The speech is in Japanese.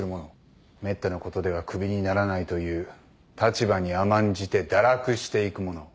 めったなことではクビにならないという立場に甘んじて堕落していく者。